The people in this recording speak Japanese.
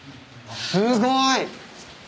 すごい。